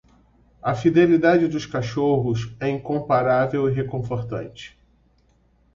A fidelidade dos cachorros é incomparável e reconfortante.